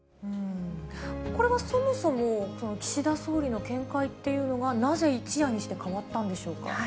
これはそもそも、岸田総理の見解というのが、なぜ一夜にして変わったんでしょうか。